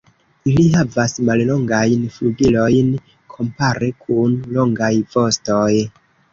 Ili havas mallongajn flugilojn kompare kun longaj vostoj.